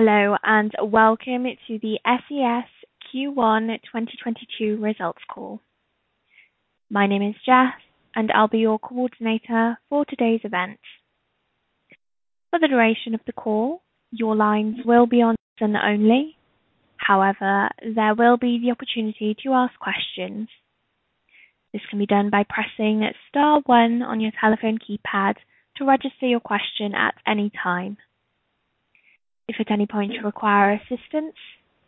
Hello, and welcome to the SES Q1 2022 results call. My name is Jess, and I'll be your coordinator for today's event. For the duration of the call, your lines will be on listen only. However, there will be the opportunity to ask questions. This can be done by pressing star one on your telephone keypad to register your question at any time. If at any point you require assistance,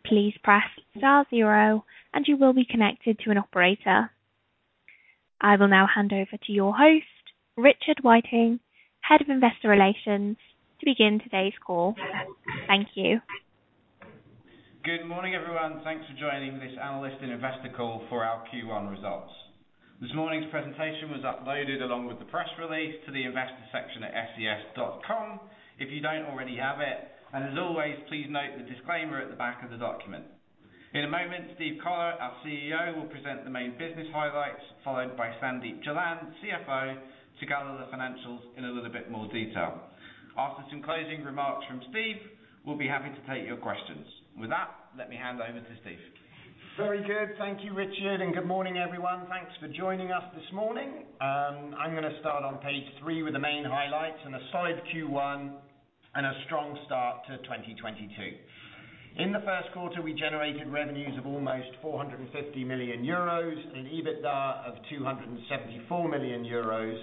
please press star zero and you will be connected to an operator. I will now hand over to your host, Richard Wyllie, Head of Investor Relations, to begin today's call. Thank you. Good morning, everyone. Thanks for joining this analyst and investor call for our Q1 results. This morning's presentation was uploaded along with the press release to the investor section at ses.com, if you don't already have it. As always, please note the disclaimer at the back of the document. In a moment, Steve Collar, our CEO, will present the main business highlights, followed by Sandeep Jalan, CFO, to go over the financials in a little bit more detail. After some closing remarks from Steve, we'll be happy to take your questions. With that, let me hand over to Steve. Very good. Thank you, Richard, and good morning, everyone. Thanks for joining us this morning. I'm gonna start on page three with the main highlights and a solid Q1 and a strong start to 2022. In the Q1, we generated revenues of almost 450 million euros and EBITDA of 274 million euros.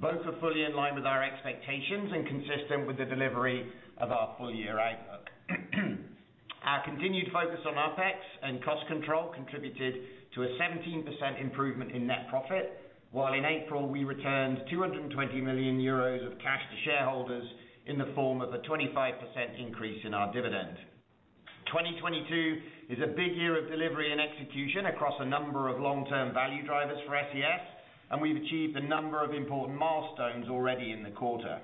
Both are fully in line with our expectations and consistent with the delivery of our full year outlook. Our continued focus on OPEX and cost control contributed to a 17% improvement in net profit, while in April we returned 220 million euros of cash to shareholders in the form of a 25% increase in our dividend. 2022 is a big year of delivery and execution across a number of long-term value drivers for SES, and we've achieved a number of important milestones already in the quarter.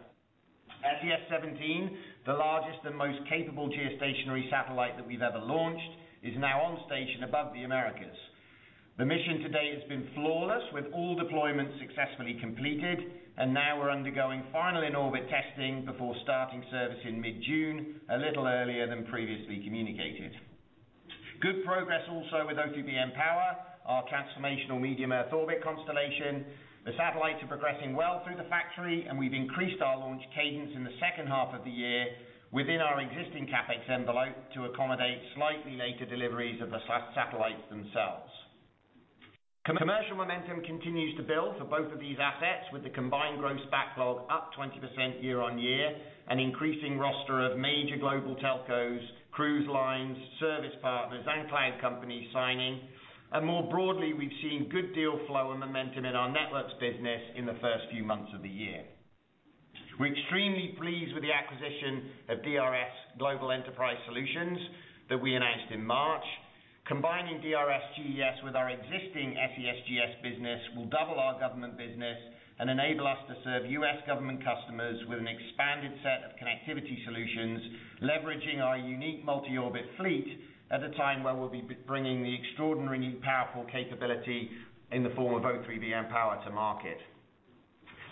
SES Seventeen, the largest and most capable geostationary satellite that we've ever launched, is now on station above the Americas. The mission to date has been flawless, with all deployments successfully completed, and now we're undergoing final in-orbit testing before starting service in mid-June, a little earlier than previously communicated. Good progress also with O3b mPOWER, our transformational medium Earth orbit constellation. The satellites are progressing well through the factory, and we've increased our launch cadence in the H2 of the year within our existing CapEx envelope to accommodate slightly later deliveries of the satellites themselves. Commercial momentum continues to build for both of these assets with the combined gross backlog up 20% year-on-year, an increasing roster of major global telcos, cruise lines, service partners and cloud companies signing. More broadly, we've seen good deal flow and momentum in our networks business in the first few months of the year. We're extremely pleased with the acquisition of DRS Global Enterprise Solutions that we announced in March. Combining DRS GES with our existing SES GS business will double our government business and enable us to serve U.S. government customers with an expanded set of connectivity solutions, leveraging our unique multi-orbit fleet at a time where we'll be bringing the extraordinary new powerful capability in the form of O3b mPOWER to market.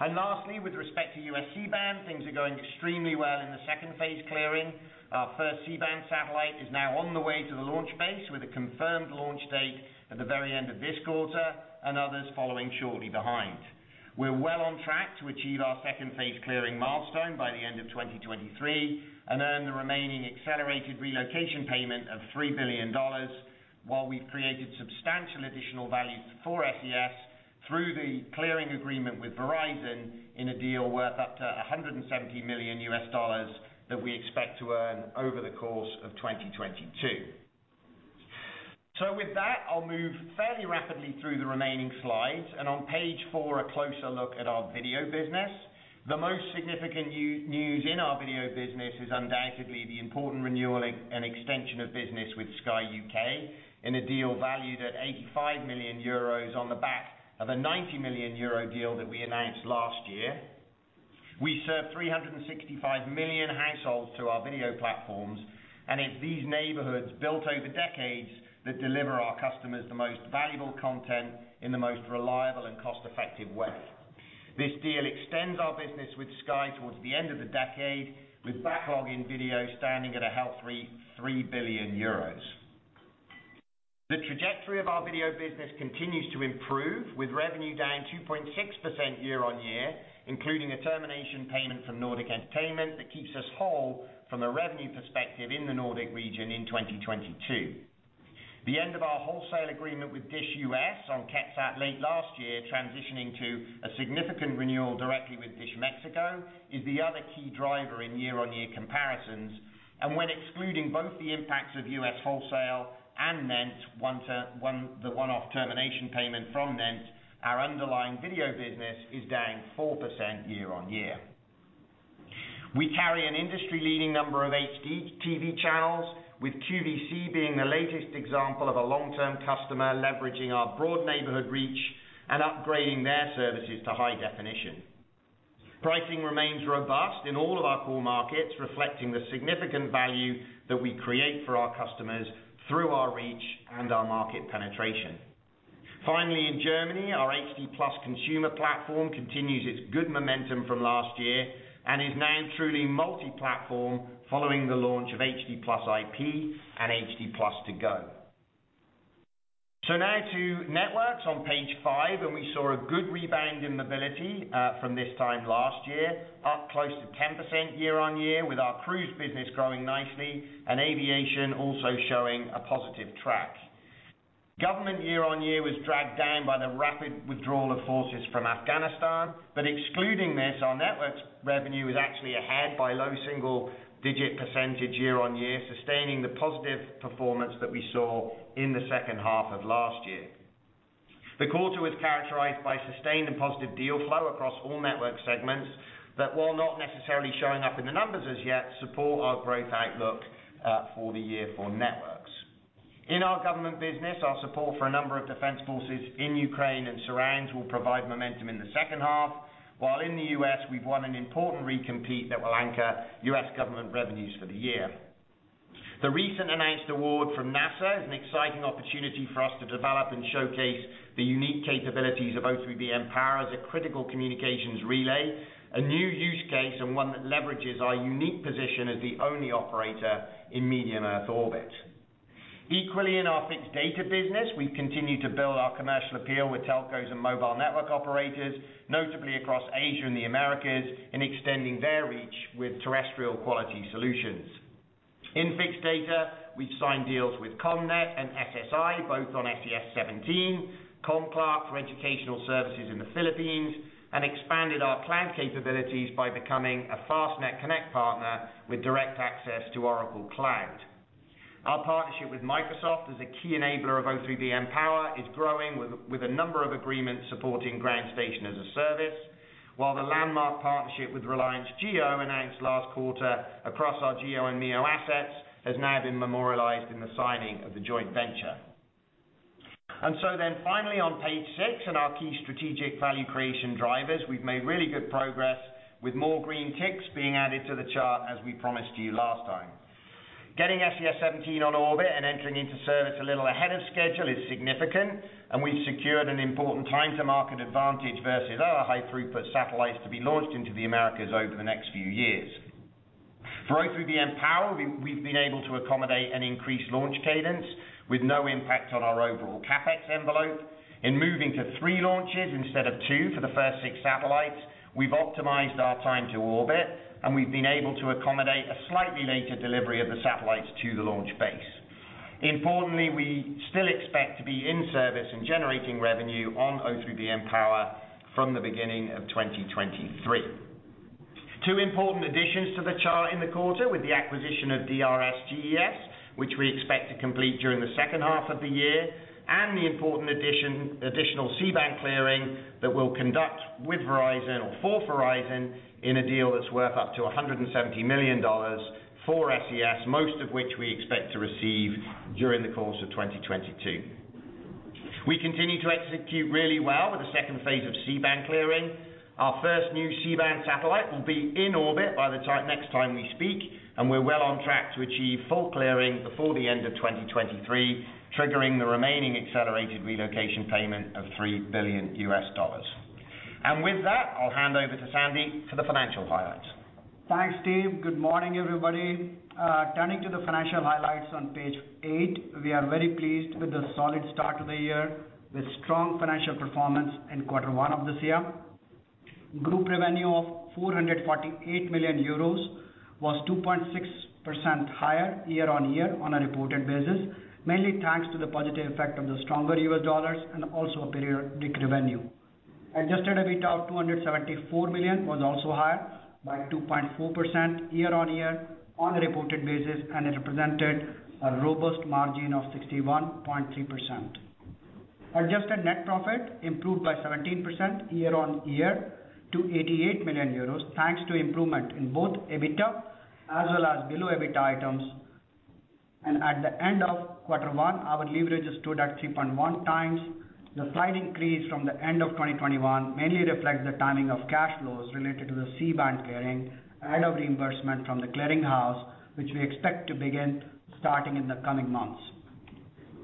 Lastly, with respect to U.S. C-band, things are going extremely well in the Phase II clearing. Our first C-band satellite is now on the way to the launch base with a confirmed launch date at the very end of this quarter and others following shortly behind. We're well on track to achieve our Phase II clearing milestone by the end of 2023 and earn the remaining accelerated relocation payment of $3 billion while we've created substantial additional value for SES through the clearing agreement with Verizon in a deal worth up to $170 million that we expect to earn over the course of 2022. With that, I'll move fairly rapidly through the remaining slides. On page 4, a closer look at our video business. The most significant news in our video business is undoubtedly the important renewal and extension of business with Sky UK in a deal valued at 85 million euros on the back of a 90 million euro deal that we announced last year. We serve 365 million households through our video platforms, and it's these relationships built over decades that deliver our customers the most valuable content in the most reliable and cost-effective way. This deal extends our business with Sky towards the end of the decade, with backlog in video standing at a healthy 3 billion euros. The trajectory of our video business continues to improve, with revenue down 2.6% year-on-year, including a termination payment from Nordic Entertainment Group that keeps us whole from a revenue perspective in the Nordic region in 2022. The end of our wholesale agreement with Dish U.S. on QuetzSat late last year, transitioning to a significant renewal directly with DISH Mexico, is the other key driver in year-on-year comparisons. When excluding both the impacts of U.S. wholesale and NENT, the one-off termination payment from NENT, our underlying video business is down 4% year-on-year. We carry an industry-leading number of HD TV channels, with QVC being the latest example of a long-term customer leveraging our broad neighborhood reach and upgrading their services to high definition. Pricing remains robust in all of our core markets, reflecting the significant value that we create for our customers through our reach and our market penetration. Finally, in Germany, our HD+ consumer platform continues its good momentum from last year and is now truly multi-platform following the launch of HD+ IP and HD+ ToGo. Now to networks on page five, and we saw a good rebound in mobility from this time last year, up close to 10% year-on-year, with our cruise business growing nicely and aviation also showing a positive track. Government year-on-year was dragged down by the rapid withdrawal of forces from Afghanistan. Excluding this, our networks revenue is actually ahead by low single-digit percentage year-on-year, sustaining the positive performance that we saw in the H2 of last year. The quarter was characterized by sustained and positive deal flow across all network segments that, while not necessarily showing up in the numbers as yet, support our growth outlook for the year for networks. In our government business, our support for a number of defense forces in Ukraine and surrounds will provide momentum in the H2. While in the U.S., we've won an important recompete that will anchor U.S. government revenues for the year. The recent announced award from NASA is an exciting opportunity for us to develop and showcase the unique capabilities of O3b mPOWER as a critical communications relay, a new use case and one that leverages our unique position as the only operator in medium Earth orbit. Equally, in our fixed data business, we've continued to build our commercial appeal with telcos and mobile network operators, notably across Asia and the Americas, in extending their reach with terrestrial quality solutions. In fixed data, we've signed deals with COMNET and SSi, both on SES-17, ComClark for educational services in the Philippines, and expanded our cloud capabilities by becoming a FastConnect partner with direct access to Oracle Cloud. Our partnership with Microsoft as a key enabler of O3b mPOWER is growing with a number of agreements supporting Ground Station as a Service, while the landmark partnership with Reliance Jio announced last quarter across our geo and MEO assets has now been memorialized in the signing of the joint venture. Finally on page six, in our key strategic value creation drivers, we've made really good progress with more green ticks being added to the chart as we promised you last time. Getting SES-17 on orbit and entering into service a little ahead of schedule is significant, and we've secured an important time-to-market advantage versus other high-throughput satellites to be launched into the Americas over the next few years. For O3b mPOWER, we've been able to accommodate an increased launch cadence with no impact on our overall CapEx envelope. In moving to 3 launches instead of 2 for the first 6 satellites, we've optimized our time to orbit, and we've been able to accommodate a slightly later delivery of the satellites to the launch base. Importantly, we still expect to be in service and generating revenue on O3b mPOWER from the beginning of 2023. 2 important additions to the chart in the quarter with the acquisition of DRS GES, which we expect to complete during the H2 of the year, and the important addition, additional C-band clearing that we'll conduct with Verizon or for Verizon in a deal that's worth up to $170 million for SES, most of which we expect to receive during the course of 2022. We continue to execute really well with the Phase II of C-band clearing. Our first new C-band satellite will be in orbit by the next time we speak, and we're well on track to achieve full clearing before the end of 2023, triggering the remaining accelerated relocation payment of $3 billion. With that, I'll hand over to Sandy for the financial highlights. Thanks, Steve. Good morning, everybody. Turning to the financial highlights on page 8, we are very pleased with the solid start to the year with strong financial performance in quarter one of this year. Group revenue of 448 million euros was 2.6% higher year-on-year on a reported basis, mainly thanks to the positive effect of the stronger US dollar and also periodic revenue. Adjusted EBITDA of 274 million was also higher by 2.4% year-on-year on a reported basis, and it represented a robust margin of 61.3%. Adjusted net profit improved by 17% year-on-year to 88 million euros, thanks to improvement in both EBITDA as well as below EBITDA items. At the end of quarter one, our leverage stood at 3.1 times. The slight increase from the end of 2021 mainly reflects the timing of cash flows related to the C-band clearing and of reimbursement from the clearinghouse, which we expect to begin starting in the coming months.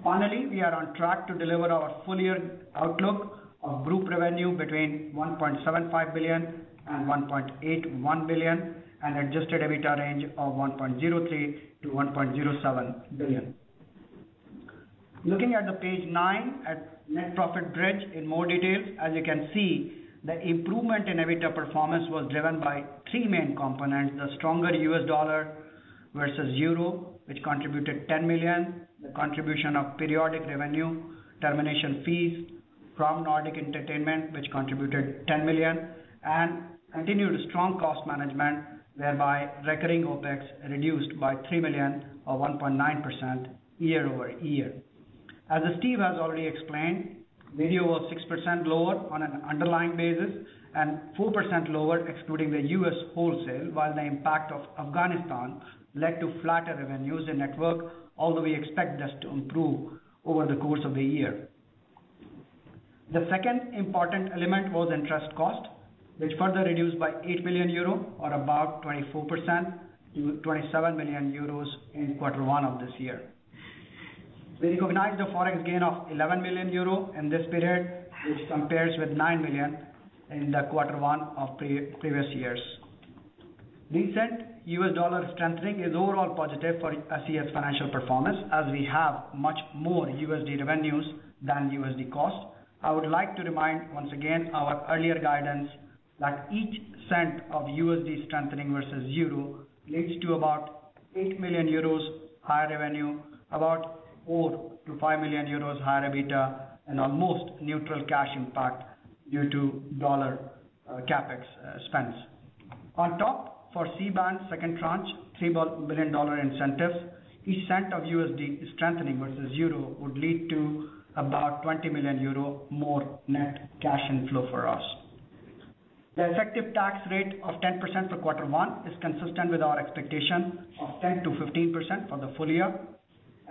We are on track to deliver our full year outlook of group revenue between 1.75 billion and 1.81 billion and adjusted EBITDA range of 1.03-1.07 billion. Looking at the page 9 at net profit bridge in more detail. As you can see, the improvement in EBITDA performance was driven by three main components, the stronger US dollar versus euro, which contributed 10 million, the contribution of periodic revenue, termination fees from Nordic Entertainment, which contributed 10 million, and continued strong cost management, whereby recurring OpEx reduced by 3 million or 1.9% year-over-year. As Steve has already explained, video was 6% lower on an underlying basis and 4% lower excluding the U.S. wholesale, while the impact of Afghanistan led to flatter revenues in network, although we expect this to improve over the course of the year. The second important element was interest cost, which further reduced by 8 million euro or about 24% to 27 million euros in quarter one of this year. We recognized a Forex gain of 11 million euro in this period, which compares with 9 million in the quarter one of the previous year. Recent U.S. dollar strengthening is overall positive for SES financial performance, as we have much more USD revenues than USD costs. I would like to remind once again our earlier guidance that each cent of USD strengthening versus euro leads to about 8 million euros higher revenue, about 4-5 million euros higher EBITDA, and almost neutral cash impact due to dollar CapEx spends. On top, for C-band second tranche $3 billion incentive, each cent of USD strengthening versus euro would lead to about 20 million euro more net cash inflow for us. The effective tax rate of 10% for quarter one is consistent with our expectation of 10%-15% for the full year.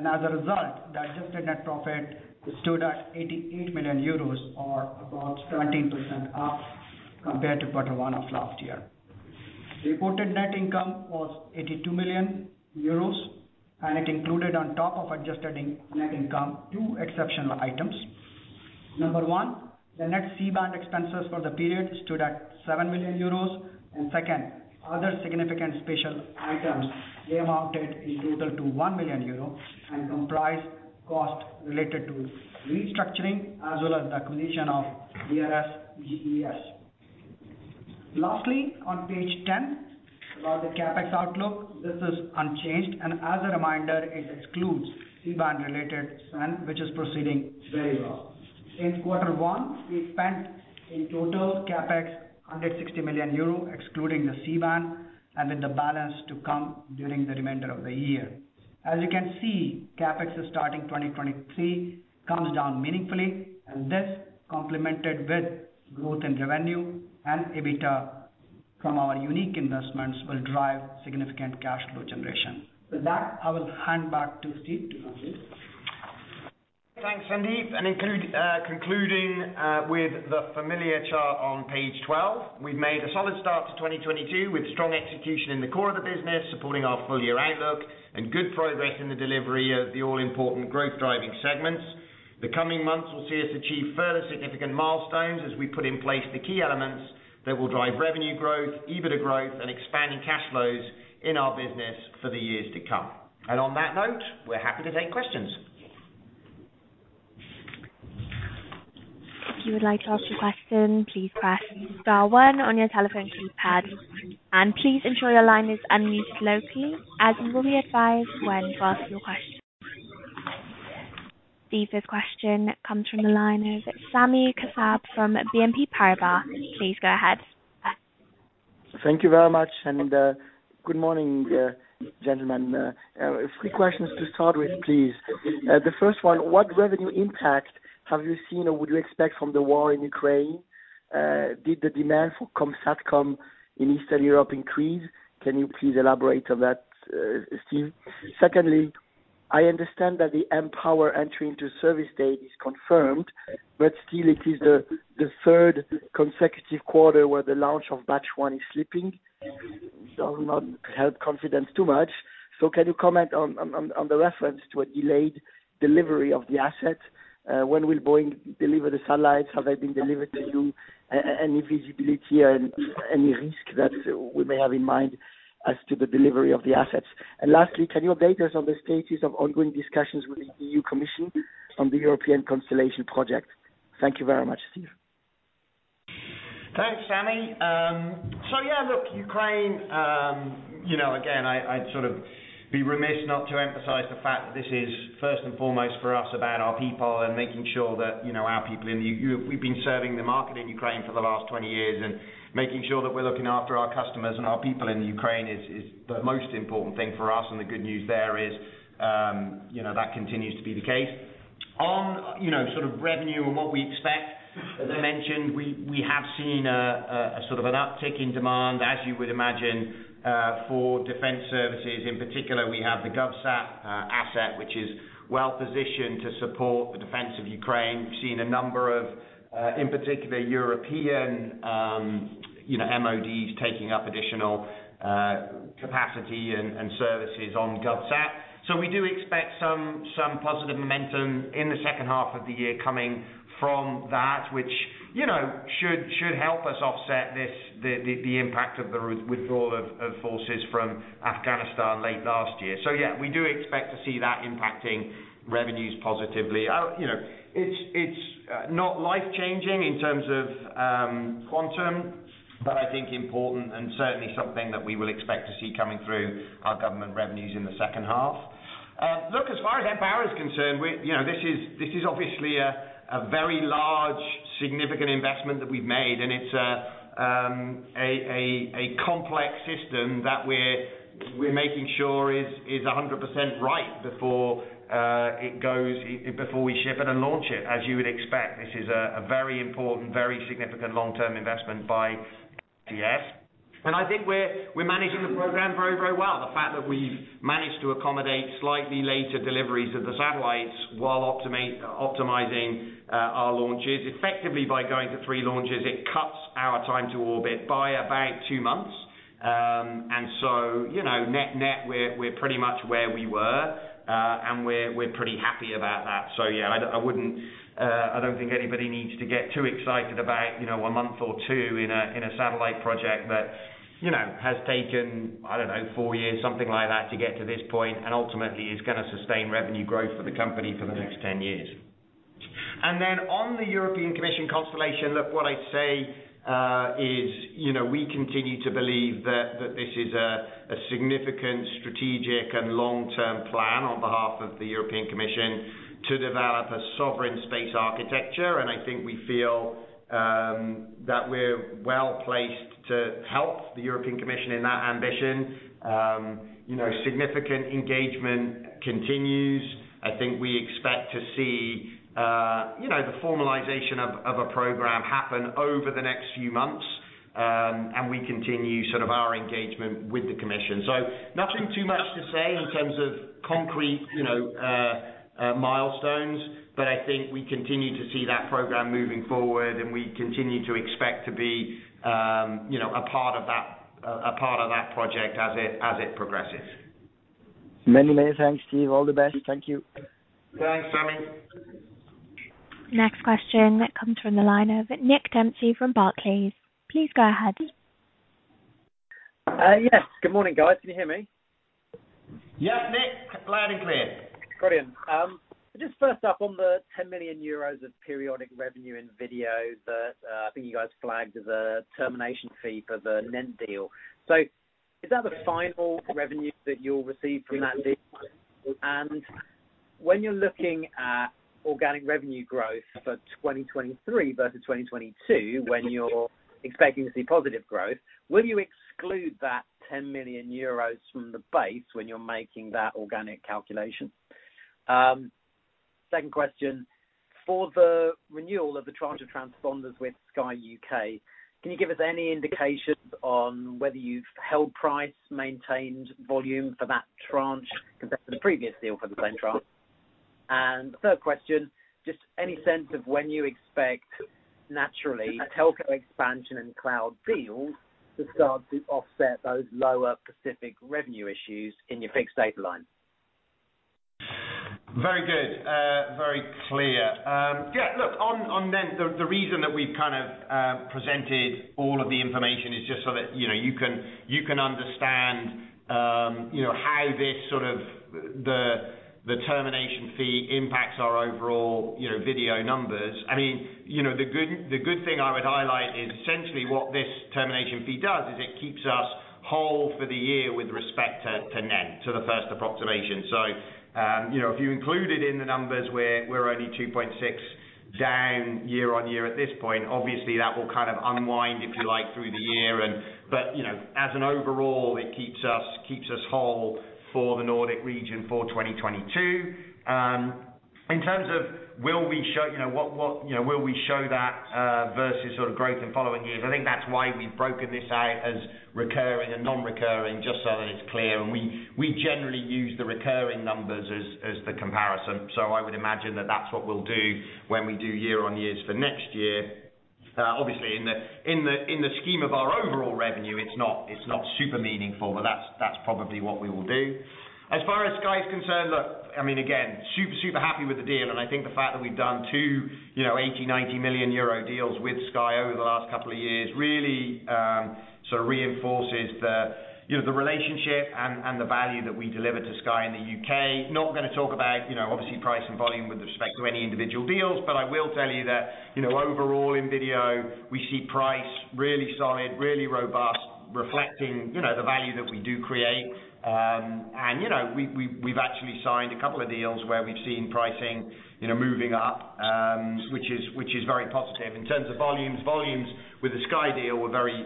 As a result, the adjusted net profit stood at 88 million euros or about 13% up compared to quarter one of last year. Reported net income was 82 million euros, and it included on top of adjusted net income, two exceptional items. Number one, the net C-band expenses for the period stood at 7 million euros. Second, other significant special items, they amounted in total to 1 million euros and comprised costs related to restructuring as well as the acquisition of DRS GES. Lastly, on page 10, about the CapEx outlook, this is unchanged. As a reminder, it excludes C-band related spend, which is proceeding very well. In quarter one, we spent in total CapEx, 160 million euro excluding the C-band and with the balance to come during the remainder of the year. As you can see, CapEx is starting 2023 comes down meaningfully, and this complemented with growth in revenue and EBITDA from our unique investments will drive significant cash flow generation. With that, I will hand back to Steve to conclude. Thanks, Sandeep. Concluding with the familiar chart on page 12. We've made a solid start to 2022, with strong execution in the core of the business, supporting our full-year outlook and good progress in the delivery of the all-important growth driving segments. The coming months will see us achieve further significant milestones as we put in place the key elements that will drive revenue growth, EBITDA growth, and expanding cash flows in our business for the years to come. On that note, we're happy to take questions. If you would like to ask a question, please press star one on your telephone keypad. Please ensure your line is unmuted locally, as you will be advised when to ask your question. The first question comes from the line of Sami Kassab from BNP Paribas. Please go ahead. Thank you very much, and good morning, gentlemen. Three questions to start with, please. The first one, what revenue impact have you seen or would you expect from the war in Ukraine? Did the demand for COM SATCOM in Eastern Europe increase? Can you please elaborate on that, Steve? Secondly, I understand that the mPOWER entry into service date is confirmed, but still it is the third consecutive quarter where the launch of batch one is slipping. Does not help confidence too much. Can you comment on the reference to a delayed delivery of the asset? When will Boeing deliver the satellites? Have they been delivered to you? Any visibility and any risk that we may have in mind as to the delivery of the assets? Lastly, can you update us on the status of ongoing discussions with the European Commission on the European Constellation project? Thank you very much, Steve. Thanks, Sami. So yeah, look, Ukraine again, I'd sort of be remiss not to emphasize the fact that this is first and foremost for us, about our people and making sure that we've been serving the market in Ukraine for the last 20 years, and making sure that we're looking after our customers and our people in the Ukraine is the most important thing for us. The good news there is that continues to be the case. On sort of revenue and what we expect, as I mentioned, we have seen a sort of an uptick in demand, as you would imagine, for defense services. In particular, we have the GovSat asset, which is well positioned to support the defense of Ukraine. We've seen a number of in particular European you know MODs taking up additional capacity and services on GovSat. We do expect some positive momentum in the H2 of the year coming from that, which you know should help us offset the impact of the withdrawal of forces from Afghanistan late last year. Yeah, we do expect to see that impacting revenues positively. You know, it's not life changing in terms of quantum, but I think important and certainly something that we will expect to see coming through our government revenues in the H2. Look, as far as mPOWER is concerned this is obviously a very large, significant investment that we've made, and it's a complex system that we're making sure is 100% right before we ship it and launch it. As you would expect, this is a very important, very significant long-term investment by SES. I think we're managing the program very well. The fact that we've managed to accommodate slightly later deliveries of the satellites while optimizing our launches effectively by going to three launches, it cuts our time to orbit by about two months. You know, net-net, we're pretty much where we were, and we're pretty happy about that. Yeah, I wouldn't, I don't think anybody needs to get too excited about a month or two in a satellite project that has taken, I don't know, four years, something like that, to get to this point, and ultimately is gonna sustain revenue growth for the company for the next 10 years. On the European Commission constellation, look, what I'd say is we continue to believe that this is a significant strategic and long-term plan on behalf of the European Commission to develop a sovereign space architecture. I think we feel that we're well-placed to help the European Commission in that ambition. You know, significant engagement continues. I think we expect to see the formalization of a program happen over the next few months, and we continue sort of our engagement with the commission. Nothing too much to say in terms of concrete milestones, but I think we continue to see that program moving forward and we continue to expect to be a part of that project as it progresses. Many, many thanks, Steve. All the best. Thank you. Thanks, Sammy. Next question that comes from the line of Nick Dempsey from Barclays. Please go ahead. Yes. Good morning, guys. Can you hear me? Yes, Nick, loud and clear. Brilliant. Just first up on the 10 million euros of periodic revenue in video that I think you guys flagged as a termination fee for the NENT deal. Is that the final revenue that you'll receive from that deal? When you're looking at organic revenue growth for 2023 versus 2022, when you're expecting to see positive growth, will you exclude that 10 million euros from the base when you're making that organic calculation? Second question, for the renewal of the transponders with Sky UK, can you give us any indications on whether you've held price, maintained volume for that tranche compared to the previous deal for the same tranche? Third question, just any sense of when you expect naturally telco expansion and cloud deals to start to offset those lower Pacific revenue issues in your fixed data line? Very good. Very clear. Yeah, look, on NENT, the reason that we've kind of presented all of the information is just so that you can understand how this sort of the termination fee impacts our overall, video numbers. I mean the good thing I would highlight is essentially what this termination fee does is it keeps us whole for the year with respect to NENT, to the first approximation. You know, if you include it in the numbers, we're only 2.6% down year-on-year at this point. Obviously, that will kind of unwind, if you like, through the year. You know, as an overall, it keeps us whole for the Nordic region for 2022. In terms of will we show what will we show that versus sort of growth in following years? I think that's why we've broken this out as recurring and non-recurring, just so that it's clear. We generally use the recurring numbers as the comparison. I would imagine that that's what we'll do when we do year-on-years for next year. Obviously in the scheme of our overall revenue, it's not super meaningful, but that's probably what we will do. As far as Sky is concerned, look, I mean, again, super happy with the deal, and I think the fact that we've done 2, 80 million euro, 90 million euro deals with Sky over the last couple of years really sort of reinforces the relationship and the value that we deliver to Sky in the U.K. Not gonna talk about obviously price and volume with respect to any individual deals, but I will tell you that overall in video, we see price really solid, really robust, reflecting the value that we do create. You know, we've actually signed a couple of deals where we've seen pricing moving up, which is very positive. In terms of volumes with the Sky deal were very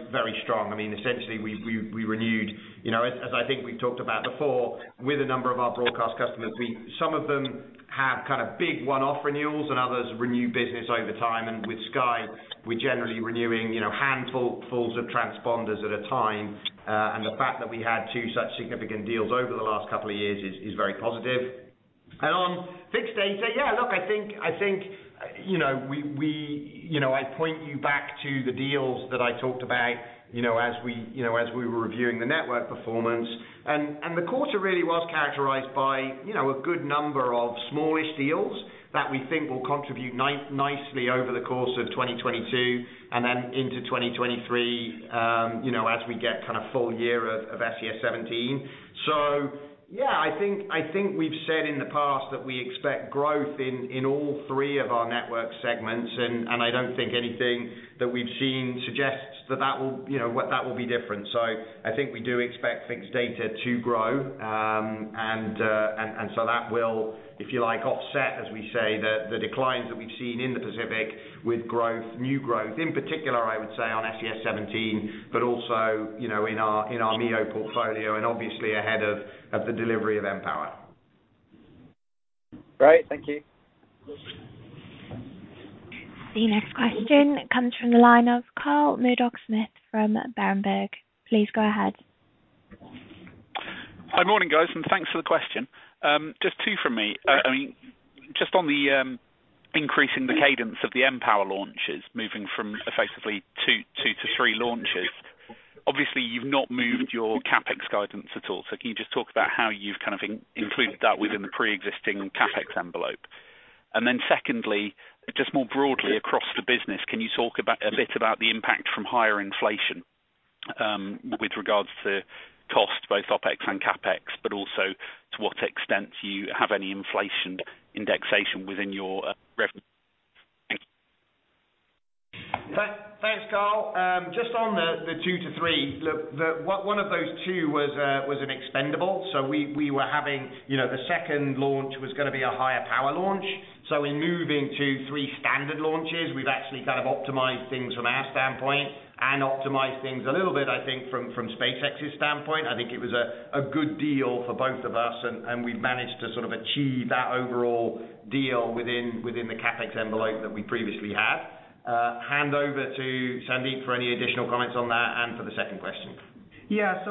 strong. I mean, essentially, we renewed. You know, as I think we've talked about before, with a number of our broadcast customers, some of them have kind of big one-off renewals and others renew business over time. With Sky, we're generally renewing handfuls of transponders at a time. The fact that we had two such significant deals over the last couple of years is very positive. On fixed data, yeah, look, I think I'd point you back to the deals that I talked about as we were reviewing the network performance. The quarter really was characterized by a good number of smallish deals that we think will contribute nicely over the course of 2022 and then into 2023, as we get kind of full year of SES Seventeen. I think we've said in the past that we expect growth in all three of our network segments and I don't think anything that we've seen suggests that will be different. I think we do expect fixed data to grow. that will, if you like, offset, as we say, the declines that we've seen in the Pacific with growth, new growth, in particular, I would say on SES-17, but also in our MEO portfolio and obviously ahead of the delivery of O3b mPOWER. Great. Thank you. The next question comes from the line of Carl Murdock Smith from Berenberg. Please go ahead. Hi. Morning, guys, and thanks for the question. Just two from me. I mean, just on the increasing the cadence of the mPOWER launches, moving from effectively two to three launches. Obviously you've not moved your CapEx guidance at all. Can you just talk about how you've kind of included that within the pre-existing CapEx envelope? And then secondly, just more broadly across the business, can you talk a bit about the impact from higher inflation with regards to cost, both OpEx and CapEx, but also to what extent you have any inflation indexation within your rev? Thank you. Thanks, Carl. Just on the two to three, one of those two was an expendable. We were having the second launch was gonna be a higher power launch. In moving to three standard launches, we've actually kind of optimized things from our standpoint and optimized things a little bit, I think from SpaceX's standpoint. I think it was a good deal for both of us and we've managed to sort of achieve that overall deal within the CapEx envelope that we previously had. Hand over to Sandeep for any additional comments on that and for the second question. Yeah.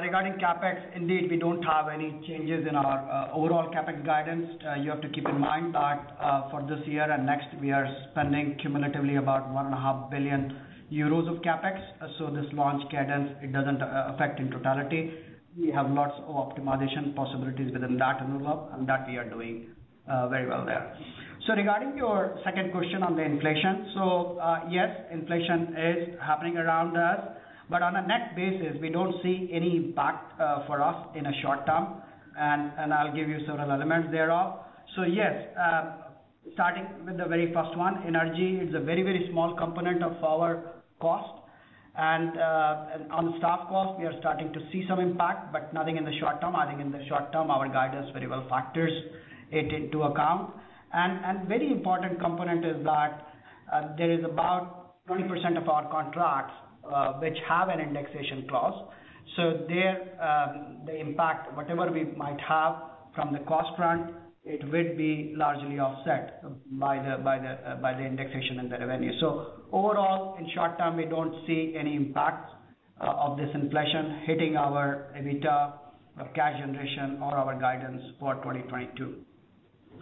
Regarding CapEx, indeed, we don't have any changes in our overall CapEx guidance. You have to keep in mind that for this year and next, we are spending cumulatively about 1.5 billion euros of CapEx. This launch cadence, it doesn't affect in totality. We have lots of optimization possibilities within that envelope, and that we are doing very well there. Regarding your second question on the inflation, yes, inflation is happening around us. On a net basis, we don't see any impact for us in a short term. I'll give you sort of elements thereof. Yes, starting with the very first one, energy is a very, very small component of our cost. On staff cost, we are starting to see some impact, but nothing in the short term. I think in the short term, our guidance very well factors it into account. Very important component is that there is about 20% of our contracts which have an indexation clause. The impact, whatever we might have from the cost front, it would be largely offset by the indexation in the revenue. Overall, in short term, we don't see any impact of this inflation hitting our EBITDA or cash generation or our guidance for 2022.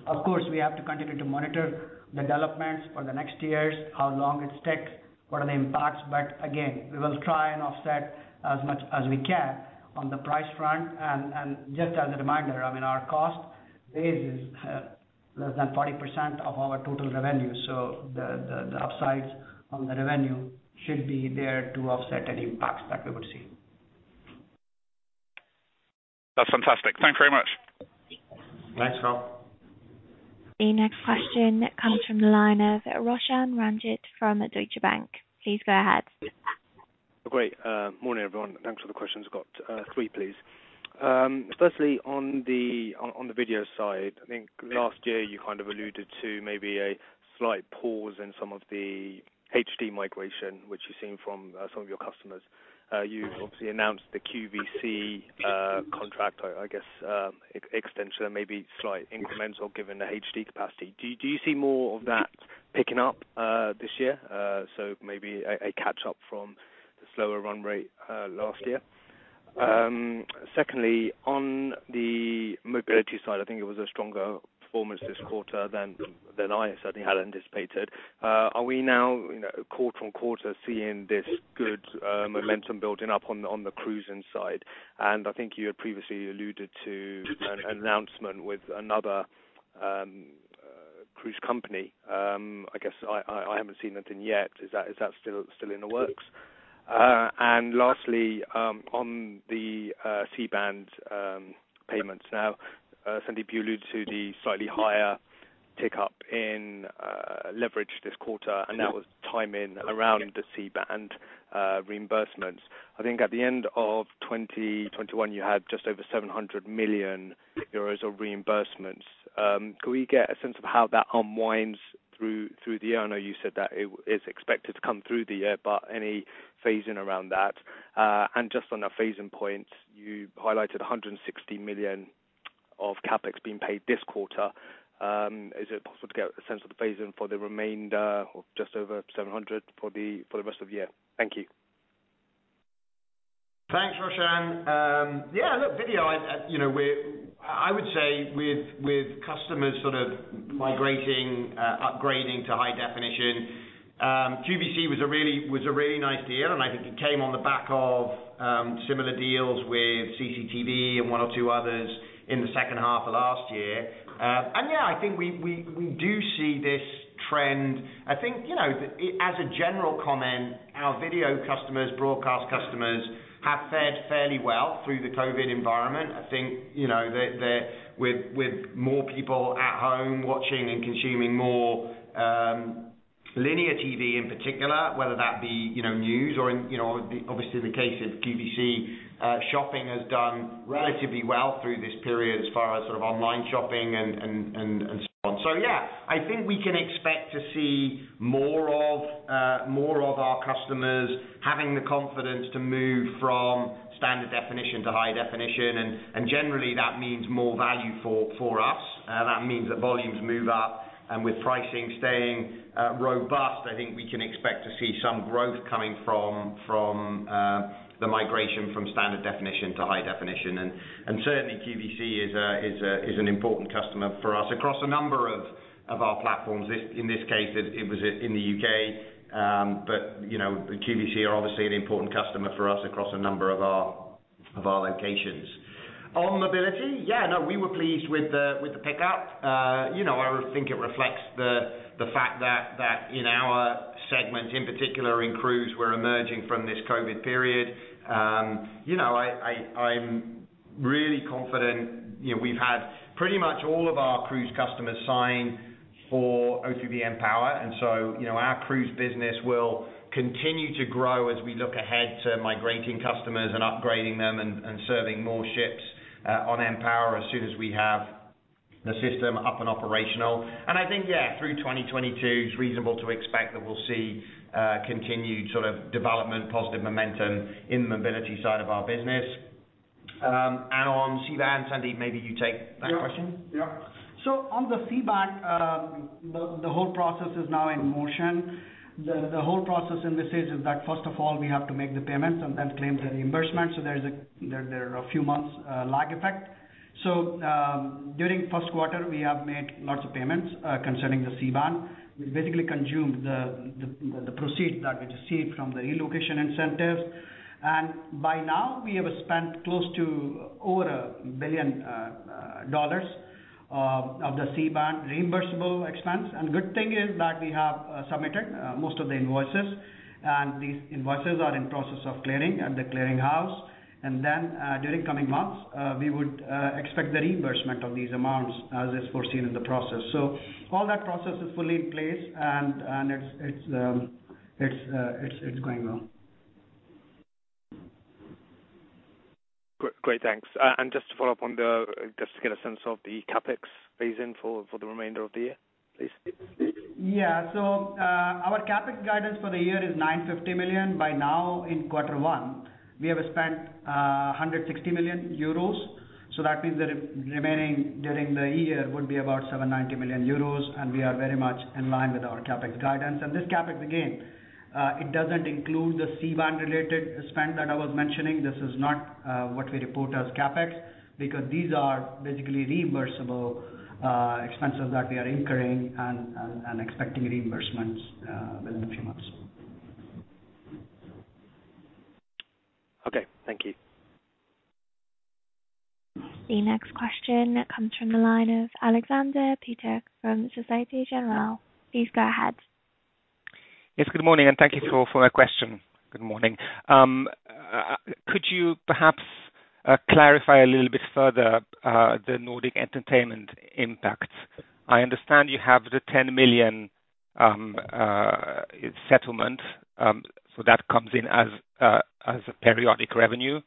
Of course, we have to continue to monitor the developments for the next years, how long it takes, what are the impacts. Again, we will try and offset as much as we can on the price front. Just as a reminder, I mean, our cost base is less than 40% of our total revenue. The upsides on the revenue should be there to offset any impacts that we would see. That's fantastic. Thank you very much. Thanks, Carl. The next question comes from the line of Roshan Ranjit from Deutsche Bank. Please go ahead. Great. Morning, everyone, and thanks for the questions. Got three, please. Firstly, on the video side, I think last year you kind of alluded to maybe a slight pause in some of the HD migration, which you're seeing from some of your customers. You obviously announced the QVC contract or I guess extension maybe slight incremental given the HD capacity. Do you see more of that picking up this year? So maybe a catch up from the slower run rate last year. Secondly, on the mobility side, I think it was a stronger performance this quarter than I certainly had anticipated. Are we now quarter-on-quarter seeing this good momentum building up on the cruising side? I think you had previously alluded to an announcement with another cruise company. I guess I haven't seen nothing yet. Is that still in the works? Lastly, on the C-band payments. Now, Sandeep, you alluded to the slightly higher tick up in leverage this quarter, and that was timing around the C-band reimbursements. I think at the end of 2021, you had just over 700 million euros of reimbursements. Could we get a sense of how that unwinds through the year? I know you said that it's expected to come through the year, but any phasing around that? Just on a phasing point, you highlighted 160 million of CapEx being paid this quarter. Is it possible to get a sense of the phasing for the remainder of just over 700 for the rest of the year? Thank you. Thanks, Roshan. Yeah, look, video, I you know, I would say with customers sort of migrating, upgrading to high definition, QVC was a really nice deal, and I think it came on the back of similar deals with CCTV and one or two others in the H2 of last year. Yeah, I think we do see this trend. I think as a general comment, our video customers, broadcast customers have fared fairly well through the COVID environment. I think with more people at home watching and consuming more linear TV in particular, whether that be news or obviously the case with QVC, shopping has done relatively well through this period as far as sort of online shopping and so on. Yeah, I think we can expect to see more of our customers having the confidence to move from standard definition to high definition. Certainly QVC is an important customer for us across a number of our platforms. In this case it was in the U.K. But you know, QVC are obviously an important customer for us across a number of our locations. On mobility, yeah, no, we were pleased with the pickup. You know, I think it reflects the fact that in our segment in particular in cruise, we're emerging from this COVID period. You know, I'm really confident. You know, we've had pretty much all of our cruise customers sign for O3b mPOWER. You know, our cruise business will continue to grow as we look ahead to migrating customers and upgrading them and serving more ships on mPOWER as soon as we have the system up and operational. I think, yeah, through 2022 it's reasonable to expect that we'll see continued sort of development, positive momentum in the mobility side of our business. On C-band, Sandeep, maybe you take that question. Yeah. Yeah. On the C-band, the whole process is now in motion. The whole process in this is that first of all we have to make the payments and then claim the reimbursement. There are a few months lag effect. During Q1 we have made lots of payments concerning the C-band. We basically consumed the proceeds that we received from the relocation incentives. By now we have spent close to over $1 billion of the C-band reimbursable expense. Good thing is that we have submitted most of the invoices, and these invoices are in process of clearing at the clearinghouse. During coming months we would expect the reimbursement of these amounts as is foreseen in the process. All that process is fully in place and it's going well. Great. Thanks. Just to get a sense of the CapEx phase-in for the remainder of the year, please. Yeah. Our CapEx guidance for the year is 950 million. By now in quarter one, we have spent 160 million euros. That means the remaining during the year would be about 790 million euros, and we are very much in line with our CapEx guidance. This CapEx again, it doesn't include the C-band related spend that I was mentioning. This is not what we report as CapEx, because these are basically reimbursable expenses that we are incurring and expecting reimbursements within a few months. Okay, thank you. The next question comes from the line of Aleksander Peterc from Société Générale. Please go ahead. Yes. Good morning, and thank you for my question. Good morning. Could you perhaps clarify a little bit further the Nordic Entertainment impact? I understand you have the 10 million settlement, so that comes in as a periodic revenue.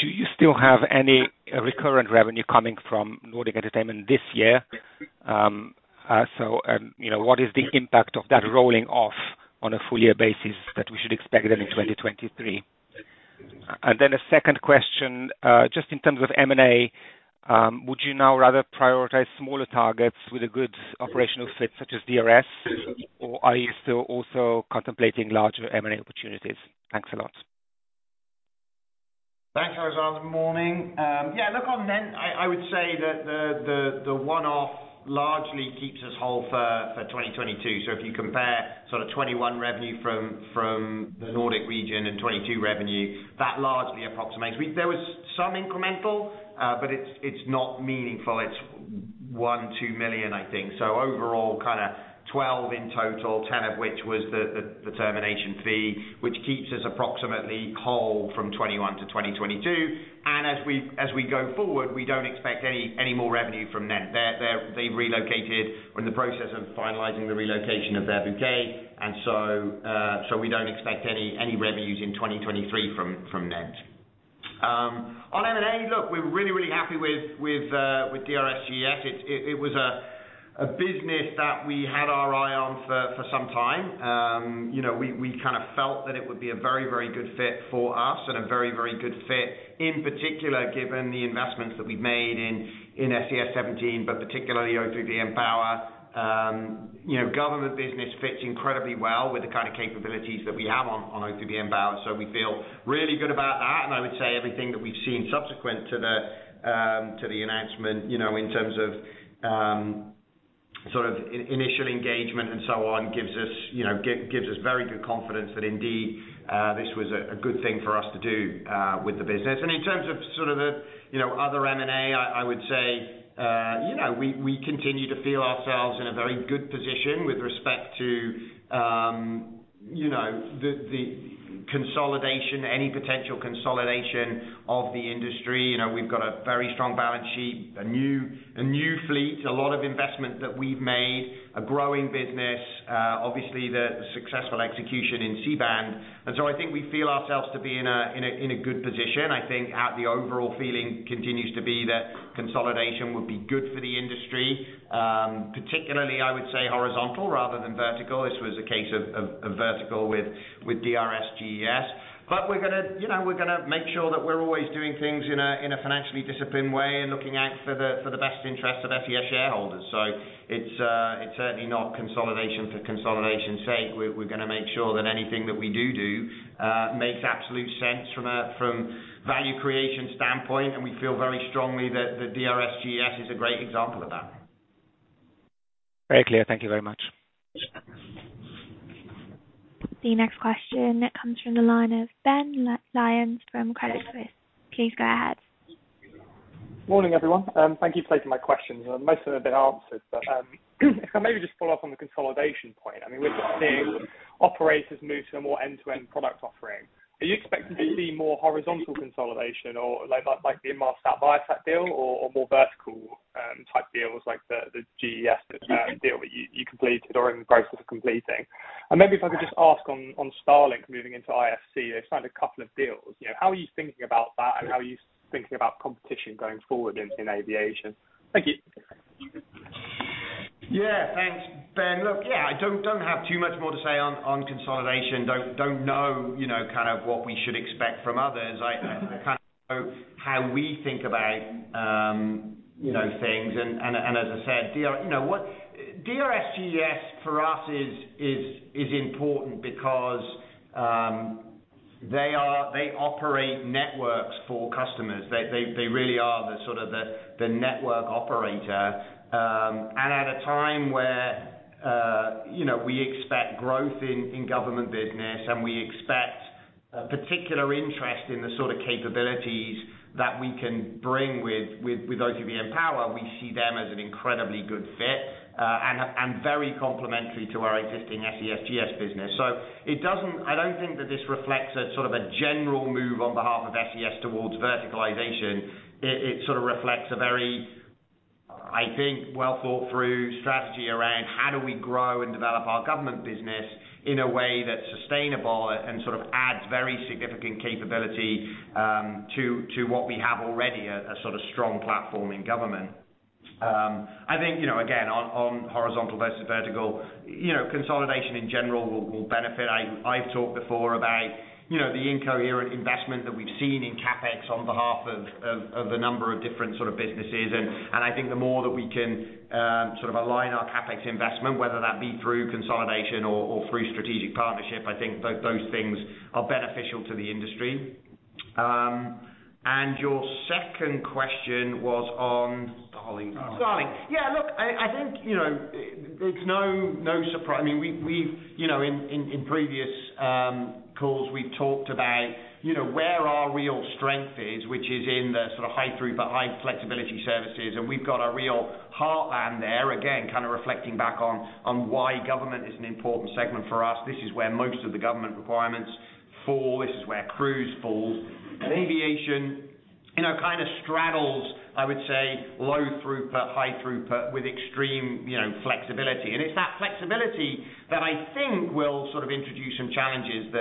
Do you still have any recurrent revenue coming from Nordic Entertainment this year? You know, what is the impact of that rolling off on a full year basis that we should expect then in 2023? A second question, just in terms of M&A, would you now rather prioritize smaller targets with a good operational fit such as DRS? Or are you still also contemplating larger M&A opportunities? Thanks a lot. Thanks, Alexander. Morning. Yeah, look, on NENT, I would say that the one-off largely keeps us whole for 2022. If you compare sort of 2021 revenue from the Nordic region and 2022 revenue, that largely approximates. There was some incremental, but it's not meaningful. It's 1-2 million I think. Overall kind of 12 million in total, 10 million of which was the termination fee, which keeps us approximately whole from 2021 to 2022. As we go forward, we don't expect any more revenue from NENT. They've relocated. We're in the process of finalizing the relocation of their bouquet, we don't expect any revenues in 2023 from NENT. On M&A, look, we're really happy with DRS GES. It was a business that we had our eye on for some time. You know, we kind of felt that it would be a very good fit for us and a very good fit in particular given the investments that we've made in SES-17, but particularly O3b mPOWER. You know, government business fits incredibly well with the kind of capabilities that we have on O3b mPOWER, so we feel really good about that. I would say everything that we've seen subsequent to the announcement in terms of sort of initial engagement and so on, gives us very good confidence that indeed this was a good thing for us to do with the business. In terms of sort of the other M&A, I would say we continue to feel ourselves in a very good position with respect to the consolidation, any potential consolidation of the industry. You know, we've got a very strong balance sheet, a new fleet, a lot of investment that we've made, a growing business, obviously the successful execution in C-band. I think we feel ourselves to be in a good position. I think the overall feeling continues to be that consolidation would be good for the industry. Particularly, I would say horizontal rather than vertical. This was a case of vertical with DRS GES. We're gonna make sure that we're always doing things in a financially disciplined way and looking out for the best interest of SES shareholders. It's certainly not consolidation for consolidation's sake. We're gonna make sure that anything that we do makes absolute sense from a value creation standpoint, and we feel very strongly that the DRS GES is a great example of that. Very clear. Thank you very much. The next question comes from the line of Ben Lyons from Credit Suisse. Please go ahead. Morning, everyone. Thank you for taking my questions. Most of them have been answered, but if I may just follow up on the consolidation point. I mean, we're seeing operators move to a more end-to-end product offering. Are you expecting to see more horizontal consolidation or like the Inmarsat, Viasat deal or more vertical type deals like the GES deal that you completed or are in the process of completing? Maybe if I could just ask on Starlink moving into IFC. They've signed a couple of deals, you know. How are you thinking about that, and how are you thinking about competition going forward in aviation? Thank you. Yeah. Thanks, Ben. Look, yeah, I don't have too much more to say on consolidation. Don't know kind of what we should expect from others. I kind of know how we think about things and as I said, DRS GES for us is important because they operate networks for customers. They really are sort of the network operator. And at a time where we expect growth in government business, and we expect a particular interest in the sort of capabilities that we can bring with O3b mPOWER, we see them as an incredibly good fit, and very complementary to our existing SES GS business. It doesn't. I don't think that this reflects a sort of a general move on behalf of SES towards verticalization. It sort of reflects a very, I think, well-thought-through strategy around how do we grow and develop our government business in a way that's sustainable and sort of adds very significant capability to what we have already, a sort of strong platform in government. I think again, on horizontal versus vertical consolidation in general will benefit. I've talked before about the incoherent investment that we've seen in CapEx on behalf of a number of different sort of businesses and I think the more that we can sort of align our CapEx investment, whether that be through consolidation or through strategic partnership, I think those things are beneficial to the industry. Your second question was on Starlink. Yeah, look, I think it's no surprise. I mean, we've talked about in previous calls, where our real strength is, which is in the sort of high-throughput, high flexibility services, and we've got a real heartland there, again, kind of reflecting back on why government is an important segment for us. This is where most of the government requirements fall. This is where cruise falls. Aviation kind of straddles, I would say, low throughput, high-throughput with extreme, flexibility. It's that flexibility that I think will sort of introduce some challenges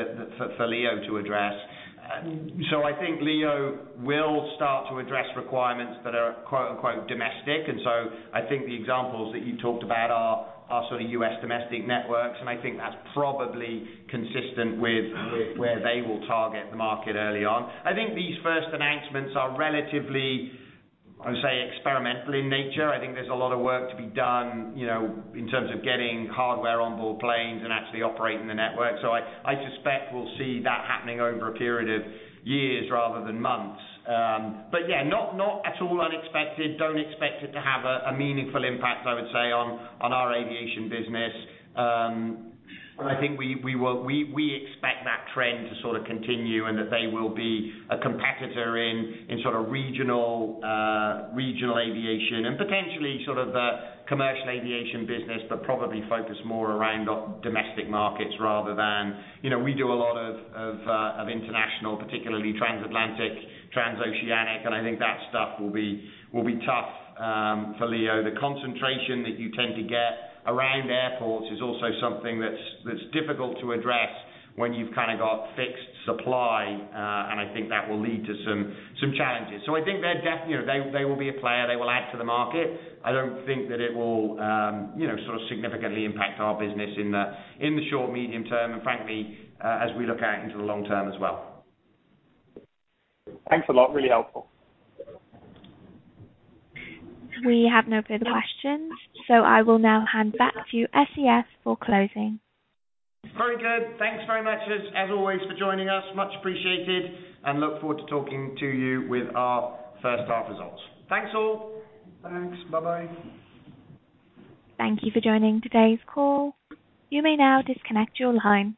for Leo to address. I think Leo will start to address requirements that are quote-unquote domestic. I think the examples that you talked about are sort of U.S. domestic networks, and I think that's probably consistent with where they will target the market early on. I think these first announcements are relatively, I would say, experimental in nature. I think there's a lot of work to be done in terms of getting hardware on board planes and actually operating the network. I suspect we'll see that happening over a period of years rather than months. Yeah, not at all unexpected. Don't expect it to have a meaningful impact, I would say, on our aviation business. I think we expect that trend to sort of continue and that they will be a competitor in sort of regional aviation and potentially sort of the commercial aviation business, but probably focused more around on domestic markets rather than we do a lot of international, particularly transatlantic, transoceanic, and I think that stuff will be tough for LEO. The concentration that you tend to get around airports is also something that's difficult to address when you've kinda got fixed supply, and I think that will lead to some challenges. I think they're. You know, they will be a player. They will add to the market. I don't think that it will sort of significantly impact our business in the short, medium term, and frankly, as we look out into the long term as well. Thanks a lot. Really helpful. We have no further questions, so I will now hand back to SES for closing. Very good. Thanks very much as always for joining us. Much appreciated, and look forward to talking to you with our H1 results. Thanks, all. Thanks. Bye-bye. Thank you for joining today's call. You may now disconnect your line.